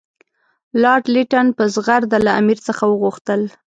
لارډ لیټن په زغرده له امیر څخه وغوښتل.